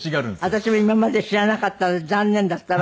私も今まで知らなかったのが残念だったわ。